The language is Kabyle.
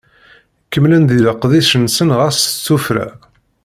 Kemmlen di leqdic-nsen ɣas s tuffra.